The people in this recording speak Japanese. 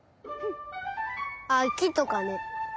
あっきとかね。